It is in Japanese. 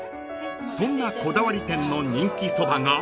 ［そんなこだわり店の人気そばが］